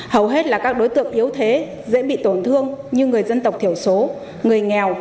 hầu hết là các đối tượng yếu thế dễ bị tổn thương như người dân tộc thiểu số người nghèo